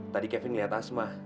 tadi kevin ngeliat asma